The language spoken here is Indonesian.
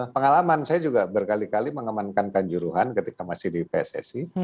pengalaman saya juga berkali kali mengamankan kanjuruhan ketika masih di pssi